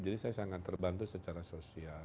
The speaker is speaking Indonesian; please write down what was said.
jadi saya sangat terbantu secara sosial